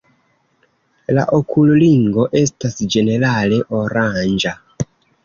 La okulringo estas ĝenerale oranĝa.